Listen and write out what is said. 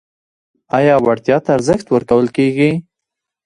آیا وړتیا ته ارزښت ورکول کیږي؟